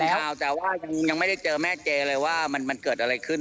ข่าวแต่ว่ายังไม่ได้เจอแม่เจเลยว่ามันเกิดอะไรขึ้น